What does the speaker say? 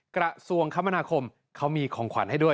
กระทรวงคมนาคมเขามีของขวัญให้ด้วย